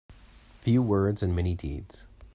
Few words and many deeds.